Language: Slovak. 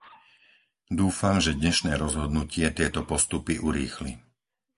Dúfam, že dnešné rozhodnutie tieto postupy urýchli.